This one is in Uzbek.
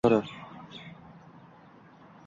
vakolatli organning qarori